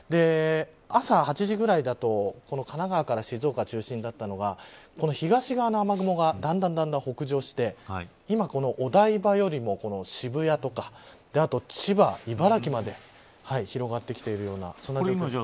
朝８時ぐらいだと神奈川から静岡中心だったのが東側の雨雲がだんだん北上して今、お台場よりも渋谷とかあと千葉、茨城まで広がってきているようなそんな状況です。